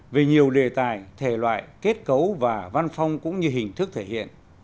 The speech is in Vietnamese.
về nhiều đề tài thể loại kết cấu và văn phong cũng như hình thức thể hiện